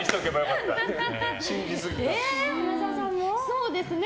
そうですね。